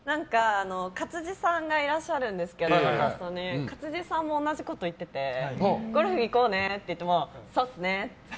勝地さんがいらっしゃるんですけど勝地さんも同じこと言っててゴルフ行こうって言ってもそっすねって。